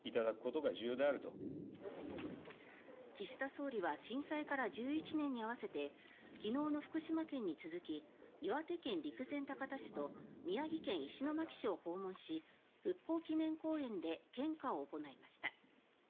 岸田総理は震災から１１年に合わせて昨日の福島県に続き岩手県陸前高田市と宮城県石巻市を訪問し復興祈念公園で献花を行いました。